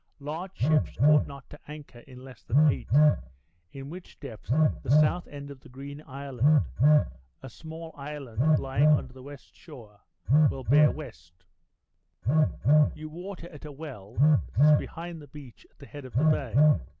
Large ships ought not to anchor in less than eight, in which depth the south end of the Green Island (a small island lying under the west shore) will bear W. You water at a well that is behind the beach at the head of the bay.